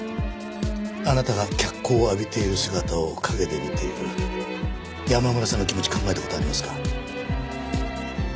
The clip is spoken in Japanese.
あなたが脚光を浴びている姿を陰で見ている山村さんの気持ち考えた事ありますか？